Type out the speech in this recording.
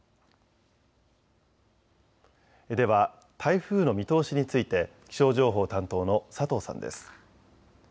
では台風の見通しについて気象情報担当の佐藤さんです。